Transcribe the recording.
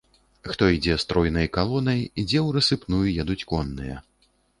Хто ідзе стройнай калонай, дзе ў рассыпную едуць конныя.